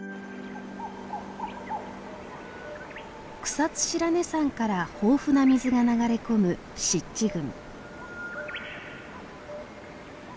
草津白根山から豊富な水が流れ込む湿地群。